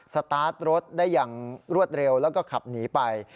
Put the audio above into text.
สตาร์ทรถได้อย่างรวดเร็วแล้วก็ขับหนีไป